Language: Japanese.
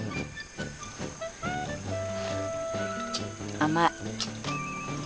・甘い？